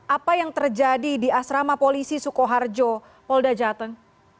apa yang terjadi di asrama polisi sukoharjo polda jateng